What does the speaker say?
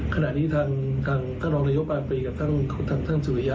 ขณะนี้ทางทางท่านรองนายกปาร์มปรีกับท่านท่านท่านท่านสุริยะ